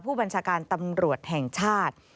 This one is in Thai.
ผู้บัญชาการตำรวจแห่งชาติ